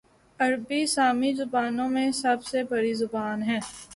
عربی سامی زبانوں میں سب سے بڑی زبان ہے